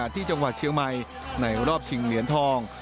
ที่จังหวัดเชียงใหม่ในรอบชิงเหรียญทอง